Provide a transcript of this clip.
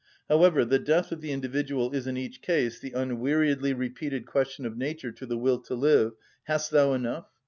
However, the death of the individual is in each case the unweariedly repeated question of nature to the will to live, "Hast thou enough?